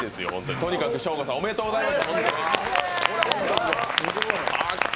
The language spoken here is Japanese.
とにかくショーゴさん、おめでとうございます。